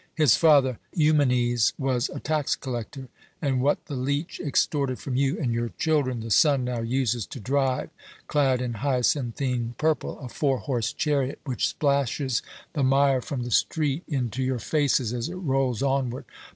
His father, Eumenes, was a tax collector, and what the leech extorted from you and your children, the son now uses to drive, clad in hyacinthine purple, a four horse chariot, which splashes the mire from the street into your faces as it rolls onward.